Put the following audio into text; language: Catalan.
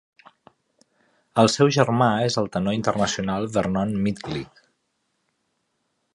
El seu germà és el tenor internacional Vernon Midgley.